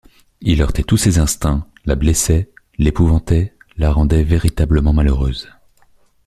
Il heurtait tous ses instincts, la blessait, l’épouvantait, la rendait véritablement malheureuse.